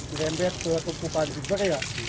merempet ke tumpukan jibak ya